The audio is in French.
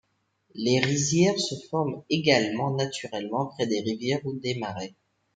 Les rizières se forment également naturellement près des rivières ou des marais.